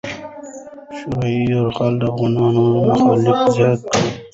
شوروي یرغل د افغانانو مخالفت زیات کړ.